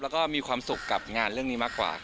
แล้วก็มีความสุขกับงานเรื่องนี้มากกว่า